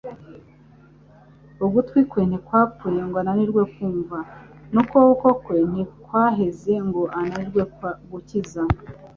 Ugutwi kwe ntikwapfuye ngo ananirwe kumva, n'ukuboko kwe ntikwaheze ngo ananirwe gukiza.